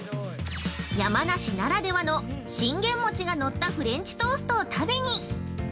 ◆山梨ならではの、信玄餅がのったフレンチトーストを食べに！